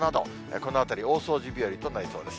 このあたり、大掃除日和となりそうです。